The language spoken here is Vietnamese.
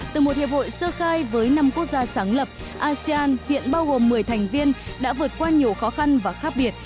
từ một hiệp hội sơ khai với năm quốc gia sáng lập asean hiện bao gồm một mươi thành viên đã vượt qua nhiều khó khăn và khác biệt